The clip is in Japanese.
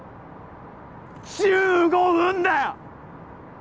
１５分だよ！